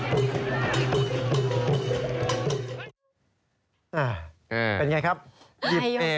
ไม่มาใช่ไหมด้าย